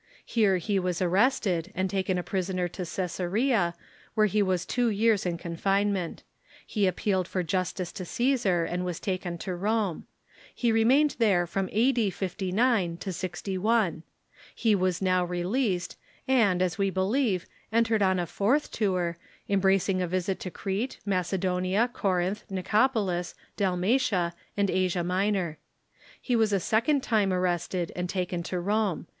Here he Avas arrested, and taken a prisoner to Ca?sarea, where he Avas two years in confinement. He aj^pealed for 8 THE EARLY CHURCH justice to Copsar, and was taken to Rome. He remained there from A.D. 59 to 61. He Avas now released, and, as we believe, entered on a fourth tour, embracing a visit to Crete, Macedo nia, Corinth, Nicopolis, Dalmatia, and Asia Minor. He was a second time arrested, and taken to Rome.